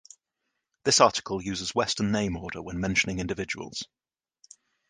This article uses Western name order when mentioning individuals.